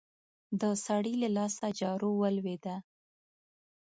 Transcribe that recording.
د سړي له لاسه جارو ولوېده.